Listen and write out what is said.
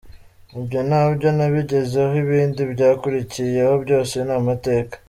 Ibyo nabyo nabigezeho, ibindi byakurikiyeho byose ni amateka.